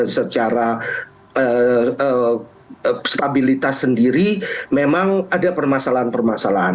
secara stabilitas sendiri memang ada permasalahan permasalahan